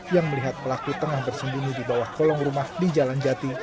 yang melihat pelaku tengah bersembunyi di bawah kolong rumah di jalan jati